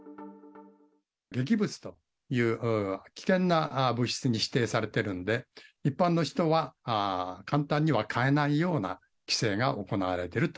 劇物という危険な物質に指定されているので、一般の人は簡単には買えないような規制が行われていると。